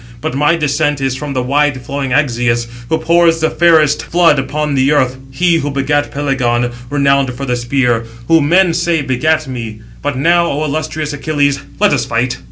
But my descent is from the wide flowing Axius, who pours the fairest flood upon the earth, he who begat Pelegon, renowned for the spear; who, men say, begat me. But now, O illustrious Achilles, let us fight."